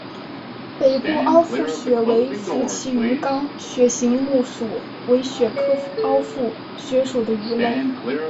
北部凹腹鳕为辐鳍鱼纲鳕形目鼠尾鳕科凹腹鳕属的鱼类。